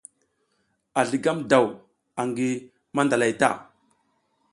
A zligam daw angi mandazlay ta.